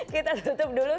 kita tutup dulu